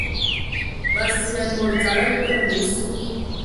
Ma sigan mod dzal a tele ma osu.